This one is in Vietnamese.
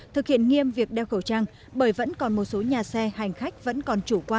thực hiện nghiêm việc đeo khẩu trang bởi vẫn còn một số nhà xe hành khách vẫn còn chủ quan